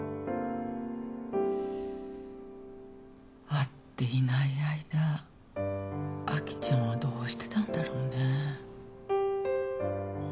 会っていない間アキちゃんはどうしてたんだろうね。